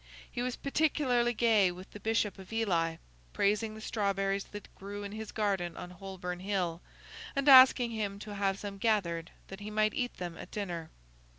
He was particularly gay with the Bishop of Ely: praising the strawberries that grew in his garden on Holborn Hill, and asking him to have some gathered that he might eat them at dinner.